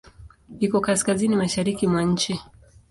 Iko Kaskazini mashariki mwa nchi.